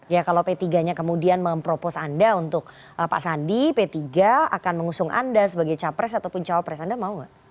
ya kalau p tiga nya kemudian mempropos anda untuk pak sandi p tiga akan mengusung anda sebagai capres ataupun cawapres anda mau nggak